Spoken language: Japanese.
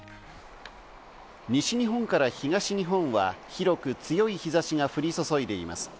西日本から東日本は広く、強い日差しが降り注いでいます。